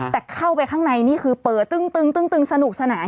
แต่เข้าไปข้างในนี่คือเปิดตึ้งสนุกสนาน